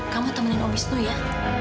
kamu temenin om wisnu ya